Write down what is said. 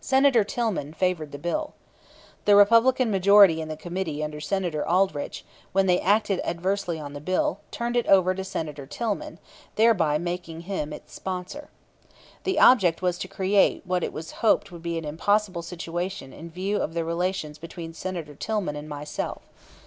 Senator Tillman favored the bill. The Republican majority in the committee under Senator Aldrich, when they acted adversely on the bill, turned it over to Senator Tillman, thereby making him its sponsor. The object was to create what it was hoped would be an impossible situation in view of the relations between Senator Tillman and myself.